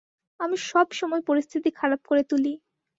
আমি সব সময় পরিস্থিতি খারাপ করে তুলি।